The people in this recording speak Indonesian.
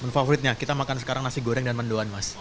favoritnya kita makan sekarang nasi goreng dan mendoan mas